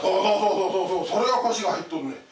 そうそうそうそれが腰が入っとんねん。